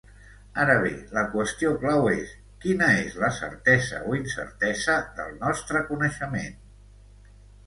Ara bé, la qüestió clau és: quina és la certesa o incertesa del nostre coneixement?